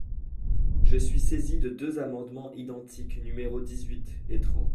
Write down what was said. Je suis saisie de deux amendements identiques, numéros dix-huit et trente.